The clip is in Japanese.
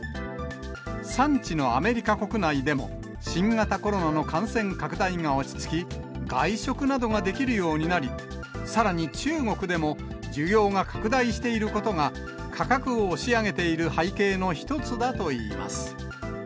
産地のアメリカ国内でも新型コロナの感染拡大が落ち着き、外食などができるようになり、さらに中国でも重要が拡大していることが、価格を押し上げている背景の一つだといいます。